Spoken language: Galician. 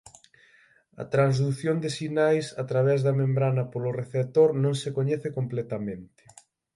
A transdución de sinais a través da membrana polo receptor non se coñece completamente.